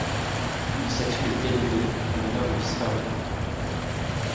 Une statue est élevée en l'honneur du disparu.